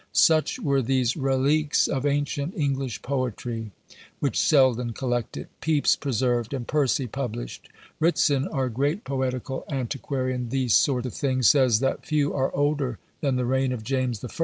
Such were these "Reliques of Ancient English Poetry," which Selden collected, Pepys preserved, and Percy published. Ritson, our great poetical antiquary in these sort of things, says that few are older than the reign of James I.